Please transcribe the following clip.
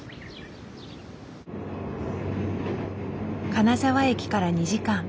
金沢駅から２時間。